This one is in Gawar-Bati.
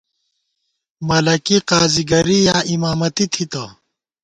ملَکی ، قاضی گَرِی یا اِمامَتی تھِتہ